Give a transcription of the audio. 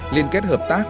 liên kết hợp tác